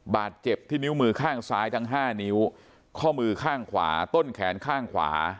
บาดเจ็บที่นิ้วมือข้างซ้ายทั้ง๕นิ้วข้อมือข้างขวาต้นแขนข้างขวา